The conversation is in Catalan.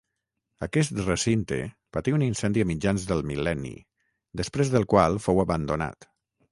Aquest recinte patí un incendi a mitjans del mil·lenni, després del qual fou abandonat.